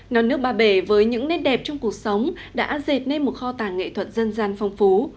nón nước ba bể với những nét đẹp trong cuộc sống đã dệt nên một kho tàng nghệ thuật dân gian phong phú